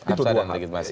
absah dan legitimasi